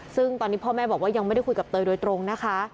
ซึ่งตอนนี้พ่อแม่บอกว่ายังไม่ได้คุยกับเตยโดยตรงนะคะ